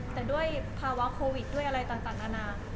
แต่ด้วยภาวะโควิดด้วยอะไรต่างนานา